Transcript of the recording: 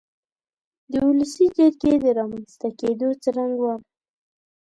د ولسي جرګې د رامنځ ته کېدو څرنګوالی